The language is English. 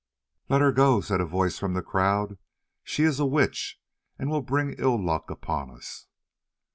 "Let her go!" said a voice from the crowd. "She is a witch and will bring ill luck upon us."